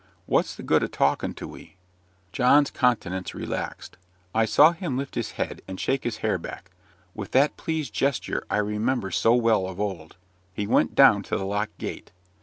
What's the good o' talking to we?" John's countenance relaxed. I saw him lift his head and shake his hair back, with that pleased gesture I remember so well of old. He went down to the locked gate.